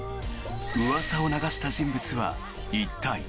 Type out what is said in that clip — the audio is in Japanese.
うわさを流した人物は一体？